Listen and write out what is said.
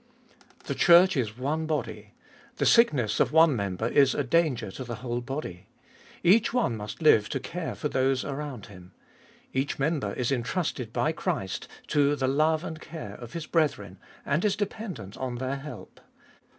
The Church is one body ; the sickness of one member is a danger to the whole body. Each one must live to care for those around him. Each member is entrusted by Christ to the love and care of his brethren, and is dependent on their help.